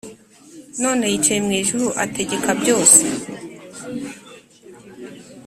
none yicaye mu ijuru ategeka byose